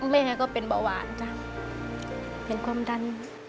แม่ก็เป็นเบาหวานจ้ะเป็นความดัน